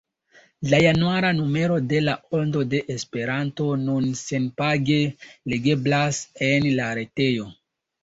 La januara numero de La Ondo de Esperanto nun senpage legeblas en la retejo.